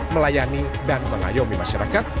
melayani dan mengayomi masyarakat